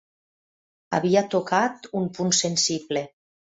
Havia tocat un punt sensible.